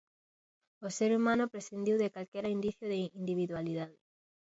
O ser humano prescindiu de calquera indicio de individualidade.